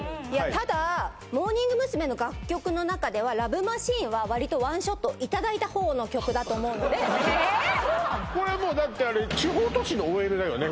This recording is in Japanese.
ただモーニング娘。の楽曲の中では「ＬＯＶＥマシーン」はわりと１ショットいただいた方の曲だと思うのでえっこれもうだってだよね